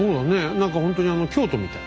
何かほんとに京都みたい。